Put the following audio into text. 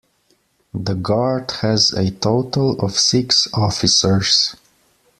The Guard has a total of six officers.